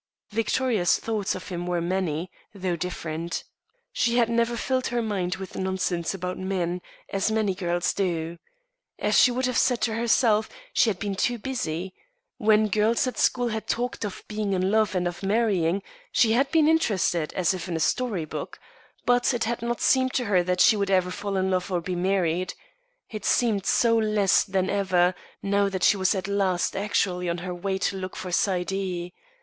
Victoria's thoughts of him were as many, though different. She had never filled her mind with nonsense about men, as many girls do. As she would have said to herself, she had been too busy. When girls at school had talked of being in love, and of marrying, she had been interested, as if in a story book, but it had not seemed to her that she would ever fall in love or be married. It seemed so less than ever, now that she was at last actually on her way to look for Saidee.